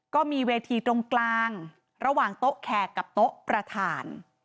ก็มีเวทีตรงกลางระหว่างโต๊ะแขกกับโต๊ะประธาน